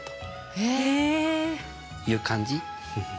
へえ！という感じ。